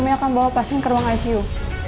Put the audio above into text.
kami akan bawa pasien ke ruang icu